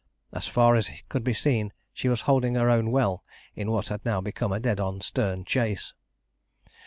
As far as could be seen, she was holding her own well in what had now become a dead on stern chase.